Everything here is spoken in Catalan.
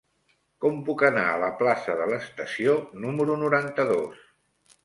Com puc anar a la plaça de l'Estació número noranta-dos?